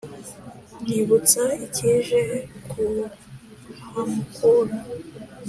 Nyibutsa icyije kuhamukura